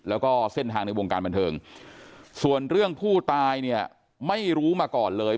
แล้วก็เส้นทางในวงการบันเทิงส่วนเรื่องผู้ตายเนี่ยไม่รู้มาก่อนเลย